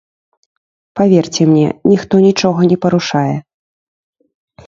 Паверце мне, ніхто нічога не парушае.